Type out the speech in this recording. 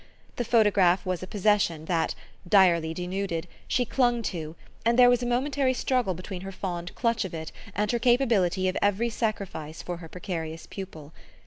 The photograph was a possession that, direly denuded, she clung to, and there was a momentary struggle between her fond clutch of it and her capability of every sacrifice for her precarious pupil.